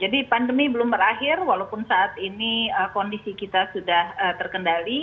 jadi pandemi belum berakhir walaupun saat ini kondisi kita sudah terkendali